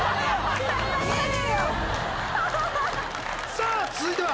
さぁ続いては。